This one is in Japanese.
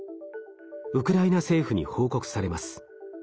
ウクライナ政府に報告されます。